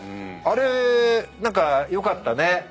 あれ何かよかったね。